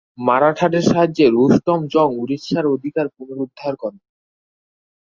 মারাঠাদের সাহায্যে রুস্তম জং উড়িষ্যার অধিকার পুনরুদ্ধার করেন।